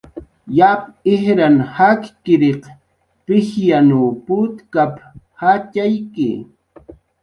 "Yap ijran jakkiriq pijyanw putkap"" jatxayki"